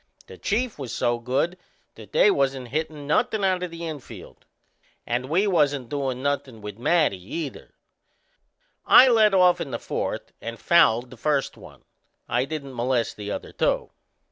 The Chief was so good that they wasn't hittin' nothin' out o' the infield. And we wasn't doin' nothin' with Matty, either. I led off in the fourth and fouled the first one. I didn't molest the other two.